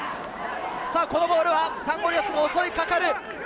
このボールはサンゴリアスが襲いかかる。